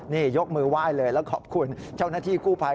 นี่ยกมือไหว้เลยแล้วขอบคุณเจ้าหน้าที่กู้ภัย